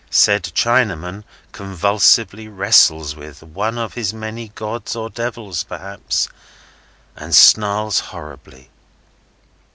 Said Chinaman convulsively wrestles with one of his many Gods or Devils, perhaps, and snarls horribly.